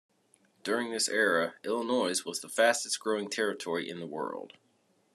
During this era, Illinois was the fastest-growing territory in the world.